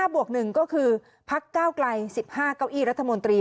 บวก๑ก็คือพักก้าวไกล๑๕เก้าอี้รัฐมนตรี